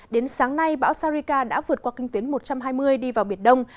đến sáng nay bão sarika đã vượt qua kinh tuyến một trăm hai mươi đi vào biển đông